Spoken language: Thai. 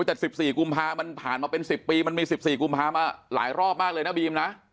โอ้ยแต่สิบสี่กุมภาคมันผ่านมาเป็นสิบปีมันมีสิบสี่กุมภาคมมาหลายรอบมากเลยนะบีมนะ